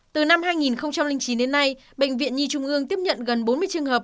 từ năm hai nghìn chín đến nay bệnh viện nhi trung ương tiếp nhận gần bốn mươi trường hợp